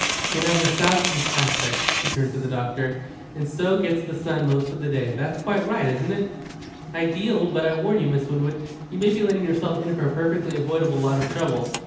It has a south east aspect" she turned to the doctor "and so gets the sun most of the day. That's quite right, isn't it?" "Ideal. But I warn you, Miss Winwood, you may be letting yourself in for a perfectly avoidable lot of trouble."